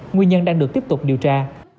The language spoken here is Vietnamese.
nguyên nhân đang được tiếp tục điều tra